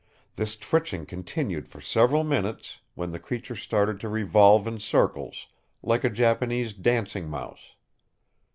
This twitching continued for several minutes, when the creature started to revolve in circles, like a Japanese dancing mouse.